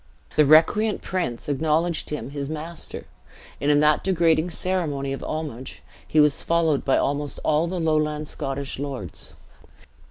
The recreant prince acknowledged him his master; and in that degrading ceremony of homage, he was followed by almost all the lowland Scottish lords.